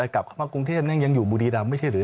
กลับเข้ามากรุงเทพยังอยู่บุรีรำไม่ใช่หรือ